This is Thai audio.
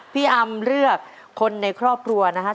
อำเลือกคนในครอบครัวนะครับ